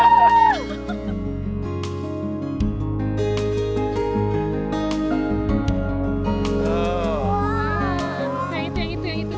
yang itu tuh